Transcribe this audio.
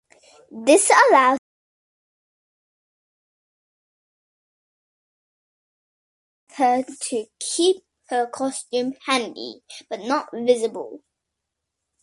This allowed her to keep her costume handy but not visible.